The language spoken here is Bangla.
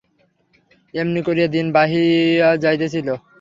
এমনি করিয়া দিন বহিয়া যাইতেছিল।